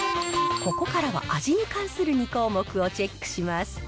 ここからは味に関する２項目をチェックします。